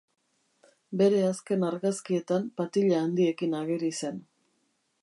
Bere azken argazkietan patilla handiekin ageri zen.